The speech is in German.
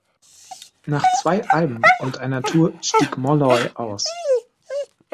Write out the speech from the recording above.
Nach zwei Alben und einer Tour stieg Molloy aus.